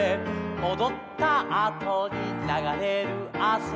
「おどったあとにながれるあせ」